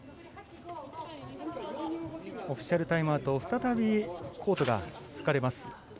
オフィシャルタイムアウト再び、コートが拭かれます。